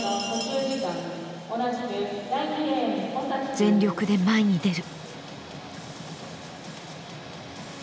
全力で前に出る。